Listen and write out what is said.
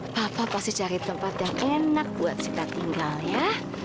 papa pasti cari tempat yang enak buat kita tinggal ya